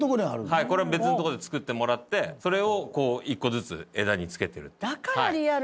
はいこれは別のとこで作ってもらってそれをこう一個ずつ枝に付けてるっていう。